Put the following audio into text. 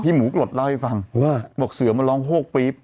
หมูกรดเล่าให้ฟังว่าบอกเสือมันร้องโฮกปี๊บ